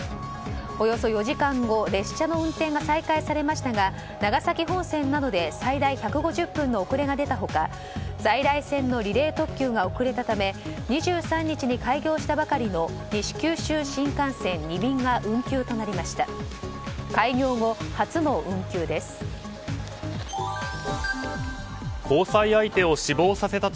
およそ４時間後列車の運転が再開されましたが長崎本線などで最大１５０分の遅れが出た他在来線のリレー特急が遅れたため２３日に開業したばかりの西九州新幹線２便が運休となりました。